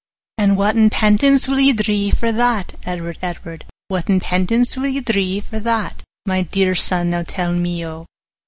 'And whatten penance will ye dree for that, 25 Edward, Edward? Whatten penance will ye dree for that? My dear son, now tell me, O.